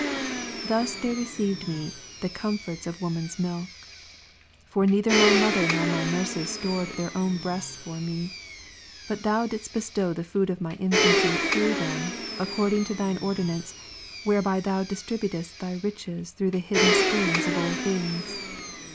Thus there received me the comforts of woman's milk. For neither my mother nor my nurses stored their own breasts for me ; but Thou didst bestow the food of my infancy through them, according to Thine ordinance, whereby Thou distributest Thy riches through the hidden springs of all things.